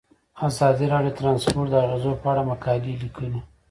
ازادي راډیو د ترانسپورټ د اغیزو په اړه مقالو لیکلي.